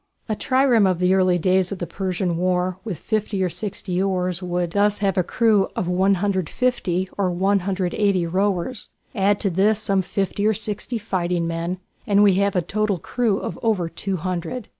A trireme of the days of the Persian War with fifty or sixty oars would thus have a crew of 150 or 180 rowers. Add to this some fifty or sixty fighting men and we have a total crew of over two hundred.